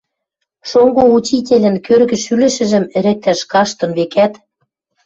Шонгы учительӹн кӧргӹ шӱлӹшӹжӹм ӹрӹктӓш каштын, векӓт.